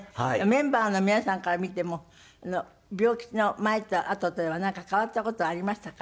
メンバーの皆さんから見ても病気の前とあととではなんか変わった事ありましたか？